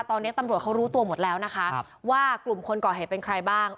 ตอนนี้ตำรวจเขารู้ตัวหมดแล้วนะคะว่ากลุ่มคนก่อเหตุเป็นใครบ้าง